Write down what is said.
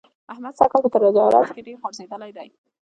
احمد سږ کال په تجارت کې ډېر غورځېدلی دی.